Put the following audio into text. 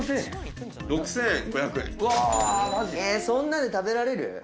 そんなんで食べられる？